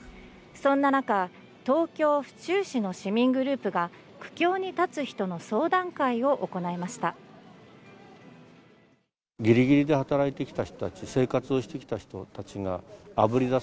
そんな中、東京・府中市の市民グループが苦境に立つ人の相談会を行いました。